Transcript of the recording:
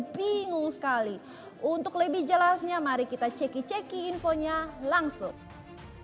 bingung sekali untuk lebih jelasnya mari kita cek cek infonya langsung hai hai